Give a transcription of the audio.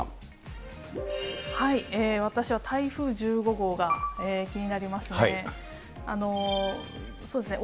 私は台風１５号が気になりますね。